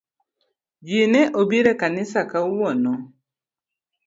Jii ne obiro e kanisa kawuono